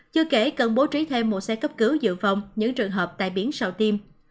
chưa kể cần bố trí thêm một xe cấp cứu dự phòng những trường hợp tại biển sầu tiêm